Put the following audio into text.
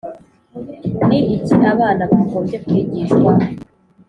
Ni iki abana bagombye kwigishwa